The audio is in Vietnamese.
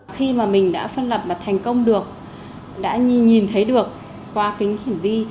khi mà mình đã phân lập và thành công được đã nhìn thấy được qua kính hển vi